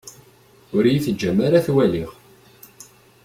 Ur yi-teǧǧam ara ad t-waliɣ.